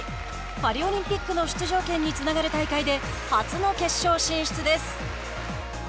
パリオリンピックの出場権につながる大会で初の決勝進出です。